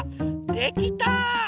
できた！